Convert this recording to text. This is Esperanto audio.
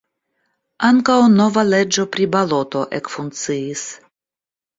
Ankaŭ nova leĝo pri baloto ekfunkciis.